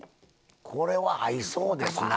これは合いそうですな。